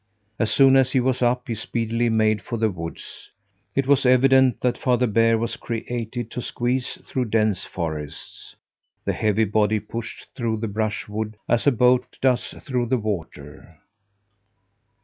As soon as he was up, he speedily made for the woods. It was evident that Father Bear was created to squeeze through dense forests. The heavy body pushed through the brushwood as a boat does through the water.